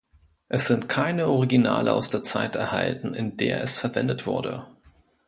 Es sind keine Originale aus der Zeit erhalten, in der es verwendet wurde.